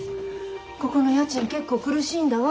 ここの家賃結構苦しいんだわ。